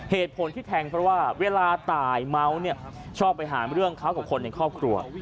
เหตุผลที่แทงเพราะว่าเวลาตายเมาส์เนี่ยชอบไปหาเรื่องเขากับคนในครอบครัว